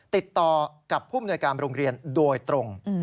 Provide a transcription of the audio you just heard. ติดต่อกับผู้มนวยการโรงเรียนโดยตรง